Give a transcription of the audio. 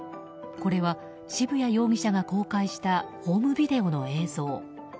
これは、渋谷容疑者が公開したホームビデオの映像。